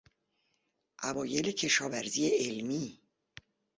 اوایل کشاورزی علمی